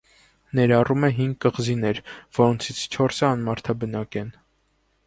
Ներառում է հինգ կղզիներ, որոնցից չորսը անմարդաբնակ են։